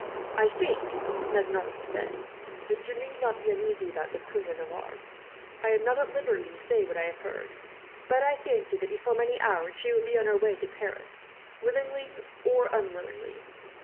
"I think," Maignan said, "that you need not be uneasy about the Queen of Navarre. I am not at liberty to say what I have heard; but I fancy that, before many hours, she will be on her way to Paris, willingly or unwillingly.